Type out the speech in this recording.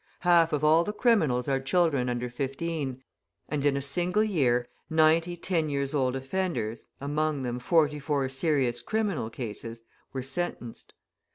Half of all the criminals are children under fifteen, and in a single year ninety ten years' old offenders, among them forty four serious criminal cases, were sentenced.